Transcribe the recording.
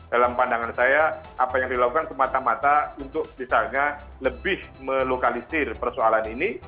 dalam pandangan saya apa yang dilakukan semata mata untuk misalnya lebih melokalisir persoalan ini